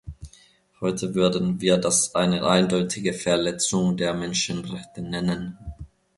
Heute würden wir das eine eindeutige Verletzung der Menschenrechte nennen.